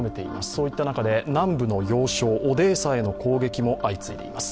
そういった中で南部の要衝、オデーサへの攻撃も相次いでいます。